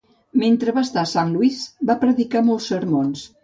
Mentre va estar a Sant Louis va predicar molts sermons.